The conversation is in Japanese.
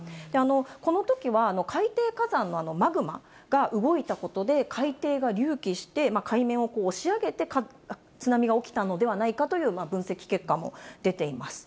このときは海底火山のマグマが動いたことで、海底が隆起して、海面を押し上げて、津波が起きたのではないかという分析結果も出ています。